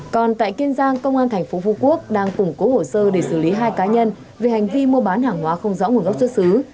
còn tại kiên giang công an thành phố phú quốc đang củng cố hồ sơ để xử lý hai cá nhân về hành vi mua bán hàng hóa không rõ nguồn gốc xuất xứ